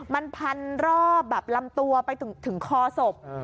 มันพันรอบแบบลำตัวไปถึงคอศพ